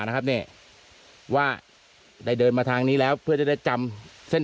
นะครับเนี่ยว่าได้เดินมาทางนี้แล้วเพื่อจะได้จำเส้น